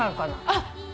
あっ！